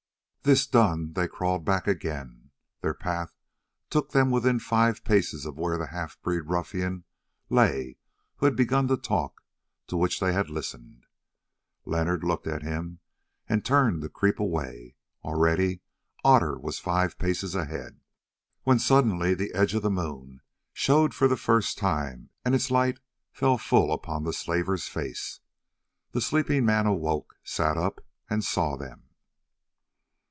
This done they crawled back again. Their path took them within five paces of where that half breed ruffian lay who had begun the talk to which they had listened. Leonard looked at him and turned to creep away; already Otter was five paces ahead, when suddenly the edge of the moon showed for the first time and its light fell full upon the slaver's face. The sleeping man awoke, sat up, and saw them.